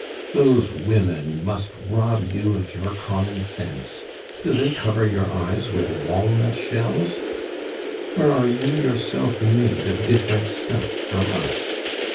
those women must rob you of your common sense! Do they cover your eyes with walnut shells? or are you yourself made of different stuff from us?